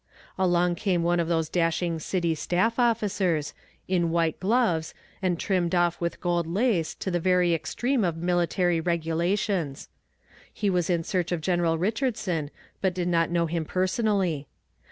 Along came one of those dashing city staff officers, in white gloves, and trimmed off with gold lace to the very extreme of military regulations. He was in search of General Richardson, but did not know him personally.